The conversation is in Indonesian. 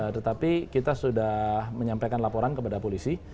tetapi kita sudah menyampaikan laporan kepada polisi